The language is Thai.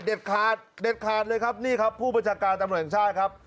เด็ดขาดเลยครับนี่ครับผู้บัญชาการตำรวจแห่งชาติครับ